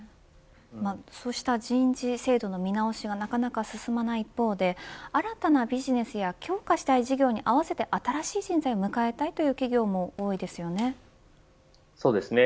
そうした人事制度の見直しはなかなか進まない一方で新たなビジネスや強化したい事業に合わせて新しい人材を迎えたい企業も多いですよね。